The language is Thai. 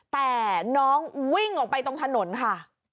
แต่น้องวิ่งออกไปตรงถนนค่ะ